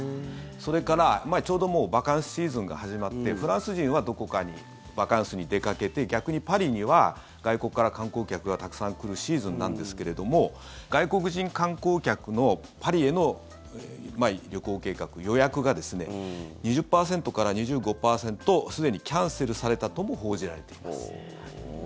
それから、ちょうどもうバカンスシーズンが始まってフランス人はどこかにバカンスに出かけて逆にパリには外国から観光客がたくさん来るシーズンなんですけれども外国人観光客のパリへの旅行計画、予約が２０％から２５％すでにキャンセルされたとも報じられています。